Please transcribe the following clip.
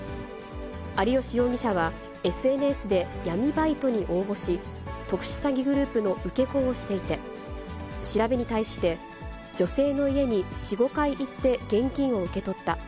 有吉容疑者は、ＳＮＳで闇バイトに応募し、特殊詐欺グループの受け子をしていて、調べに対して、女性の家に４、５回行って、現金を受け取った。